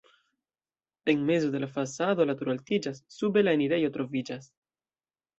En mezo de la fasado la turo altiĝas, sube la enirejo troviĝas.